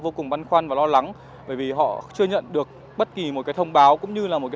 vô cùng băn khoăn và lo lắng bởi vì họ chưa nhận được bất kỳ một cái thông báo cũng như là một cái